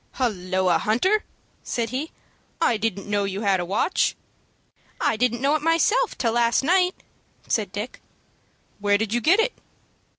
"Halloa, Hunter!" said he; "I didn't know you had a watch." "I didn't know it myself till last night," said Dick. "Where did you get it?"